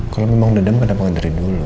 kalau memang dendam kenapa nggak dari dulu